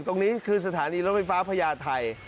ตรงนี้คือสถานีรถไฟฟ้าพญาไทย